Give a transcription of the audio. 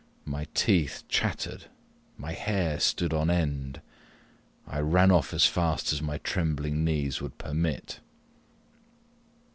My teeth chattered my hair stood on end: I ran off as fast as my trembling knees would permit.